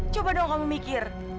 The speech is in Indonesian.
coba dong kamu mikir